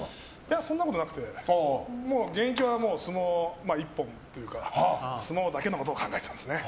そんなことなくて現役は相撲一本というか相撲だけのことを考えていましたね。